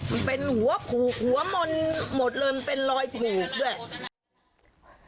มันเป็นหัวผูกหัวมนต์หมดเลยมันเป็นรอยผูกด้วย